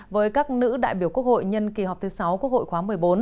với các nữ đại biểu quốc hội nhân kỳ họp thứ sáu quốc hội khóa một mươi bốn